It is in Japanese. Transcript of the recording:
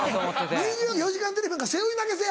『２４時間テレビ』なんか背負い投げせぇ！